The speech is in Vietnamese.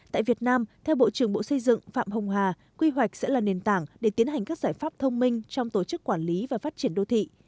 tại việt nam theo bộ trưởng bộ xây dựng phạm hồng hà quy hoạch sẽ là nền tảng để tiến hành các giải pháp thông minh trong tổ chức quản lý và phát triển đô thị